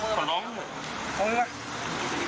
ขอร้องหน่อย